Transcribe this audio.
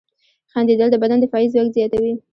• خندېدل د بدن دفاعي ځواک زیاتوي.